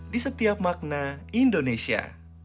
di setiap makna indonesia